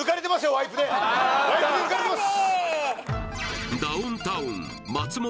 ワイプでワイプで抜かれてます